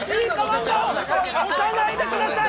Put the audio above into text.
押さないでください！